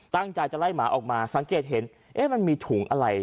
ตั้งใจจะไล่หมาออกมาสังเกตเห็นเอ๊ะมันมีถุงอะไร